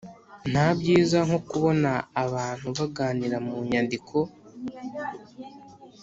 nta byiza nko kubona abantu baganira mu nyandiko,